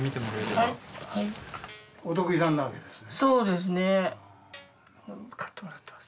そうですね。